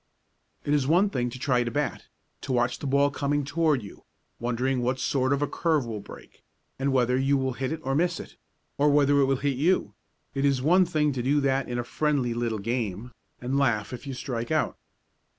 It is one thing to try to bat, to watch the ball coming toward you, wondering what sort of a curve will break, and whether you will hit it or miss it or whether it will hit you it is one thing to do that in a friendly little game, and laugh if you strike out.